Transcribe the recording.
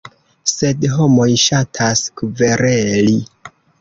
Sed homoj ŝatas kvereli.